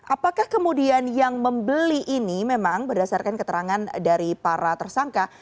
apakah kemudian yang membeli ini memang berdasarkan keterangan dari para tersangka